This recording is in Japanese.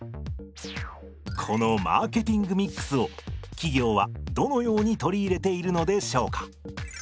このマーケティング・ミックスを企業はどのように取り入れているのでしょうか。